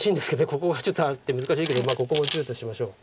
ここがちょっとあって難しいけどここも１０としましょう。